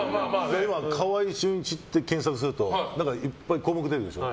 川合俊一さんって検索するといっぱい項目出るでしょ。